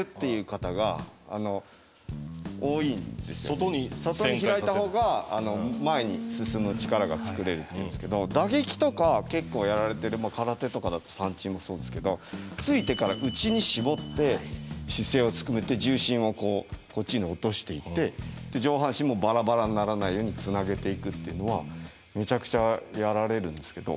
外に開いたほうが前に進む力が作れるっていうんですけど打撃とか結構やられてる空手とかだと三戦もそうですけどついてから内に絞って姿勢を含めて重心をこっちに落としていって上半身もバラバラにならないようにつなげていくっていうのはめちゃくちゃやられるんですけど。